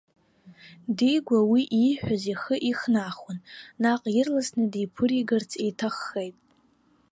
Дигәа уи ииҳәоз ихы ихнахуан, наҟ ирласны диԥыригарц иҭаххеит.